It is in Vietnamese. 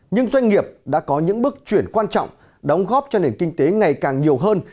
nhưng doanh nghiệp đã có những bước chuyển quan trọng đóng góp cho nền kinh tế ngày càng nhiều hơn